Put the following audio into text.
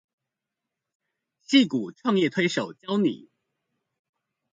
矽谷創業推手教你